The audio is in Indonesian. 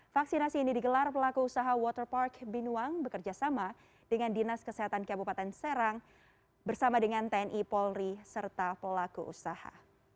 vaksinasi ini digelar pelaku usaha waterpark binuang bekerjasama dengan dinas kesehatan kabupaten serang bersama dengan tni polri serta pelaku usaha